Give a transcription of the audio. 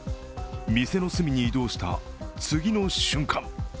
店の隅に移動した次の瞬間。